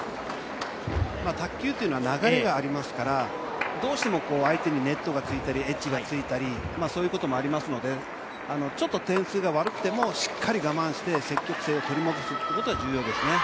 卓球というのは流れがありますからどうしても、相手にネットがついたり、エッジがついたりそういうことがありますのでちょっと点数が悪くても、我慢して積極性を取り戻すってことは重要ですね。